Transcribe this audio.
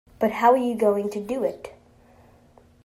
But how are you going to do it.